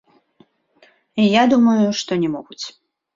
Я думаю, што не могуць.